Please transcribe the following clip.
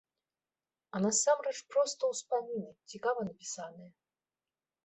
А насамрэч проста ўспаміны, цікава напісаныя.